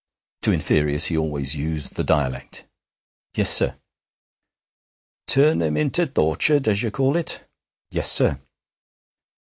To inferiors he always used the dialect. 'Yes, sir.' 'Turn 'em into th' orchard, as you call it.' 'Yes, sir.'